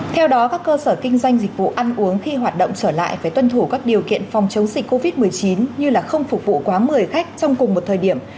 theo đó các cơ sở kinh doanh dịch vụ ăn uống khi hoạt động trở lại phải tuân thủ các điều kiện phòng chống dịch covid một mươi chín như không phục vụ quá một mươi khách trong cùng một thời điểm